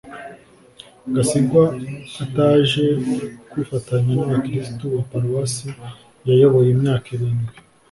gasigwa ataje kwifatanya n'abakristu ba paruwasi yayoboye imyaka irindwi